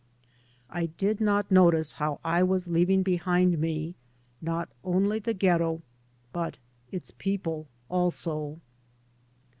I did not notice liow I was leaving behind me not only the ghetto, but its people also.